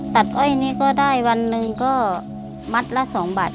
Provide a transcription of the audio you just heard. อ้อยนี้ก็ได้วันหนึ่งก็มัดละ๒บาท